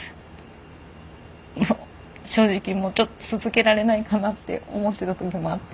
もう正直もうちょっと続けられないかなって思ってた時もあって。